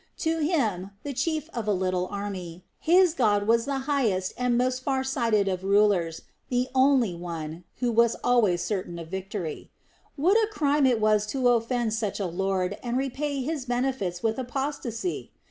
To him, the chief of a little army, his God was the highest and most far sighted of rulers, the only One, who was always certain of victory. What a crime it was to offend such a Lord and repay His benefits with apostasy!